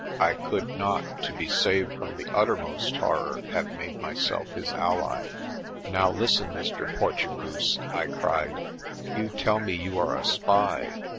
I could not, to be saved from the uttermost horror, have made myself his ally. "Now listen, Mr. Portugoose," I cried. "You tell me you are a spy.